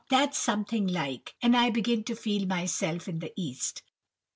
that's something like, and I begin to feel myself in the East.